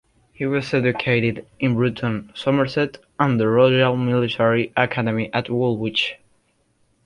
He was educated in Bruton, Somerset and the Royal Military Academy at Woolwich.